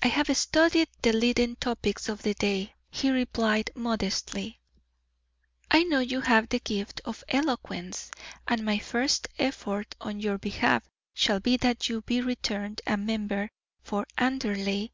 "I have studied the leading topics of the day," he replied, modestly. "I know you have the gift of eloquence, and my first effort on your behalf shall be that you be returned a member for Anderley.